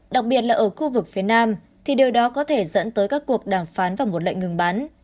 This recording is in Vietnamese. đặc biệt là ở khu vực phía nam thì điều đó có thể dẫn tới các cuộc đàm phán và một lệnh ngừng bắn